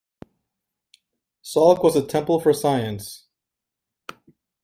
Salk was a temple for science.